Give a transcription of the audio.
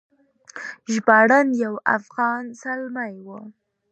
ژباړن یو افغان زلمی و.